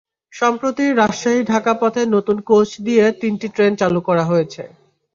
সম্প্রতি রাজশাহী-ঢাকা পথে নতুন কোচ দিয়ে তিনটি ট্রেন চালু করা হয়েছে।